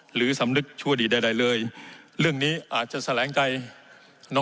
หรือสำลึกชัวร์ดีใดเลยเรื่องนี้อาจจะแสลงใกล่